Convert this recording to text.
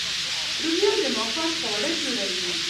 رومیان د ماښام خواړه جوړوي